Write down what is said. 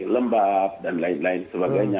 lembab dan lain lain sebagainya